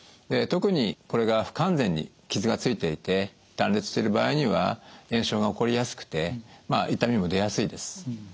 特にこれが不完全に傷がついていて断裂してる場合には炎症が起こりやすくて痛みも出やすいです。